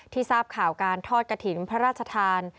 ทราบข่าวการทอดกระถิ่นพระราชทาน